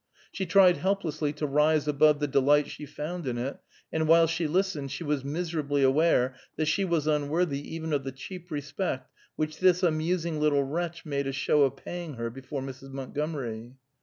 She tried helplessly to rise above the delight she found in it, and while she listened, she was miserably aware that she was unworthy even of the cheap respect which this amusing little wretch made a show of paying her before Mrs. Montgomery.